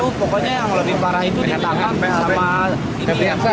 kurang tahu pokoknya yang lebih parah itu di tangan sama ini